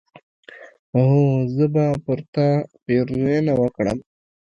هو! زه به پر تا پيرزوينه وکړم